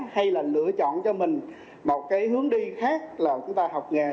hay là lựa chọn cho mình một cái hướng đi khác là chúng ta học nghề